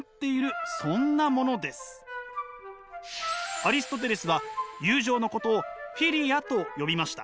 アリストテレスは友情のことをフィリアと呼びました。